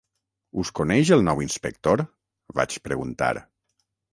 "Us coneix el nou inspector?" vaig preguntar.